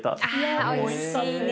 あおいしいね。